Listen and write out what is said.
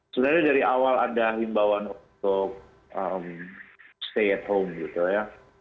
sebenarnya dari awal ada himbawan untuk stay at home gitu ya